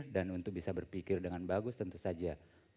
dan untuk bisa berpikir dengan bagus tentu saja